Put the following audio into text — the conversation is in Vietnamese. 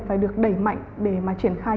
phải được đẩy mạnh để mà triển khai